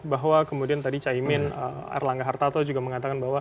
bahwa kemudian tadi caimin erlangga hartarto juga mengatakan bahwa